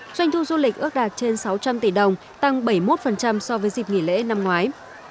doanh thu du lịch ước đạt trên sáu trăm linh tỷ đồng tăng bảy mươi một so với dịp nghỉ lễ năm ngoái